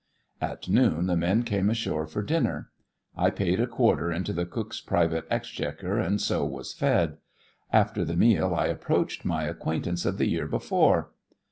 At noon the men came ashore for dinner. I paid a quarter into the cook's private exchequer and so was fed. After the meal I approached my acquaintance of the year before.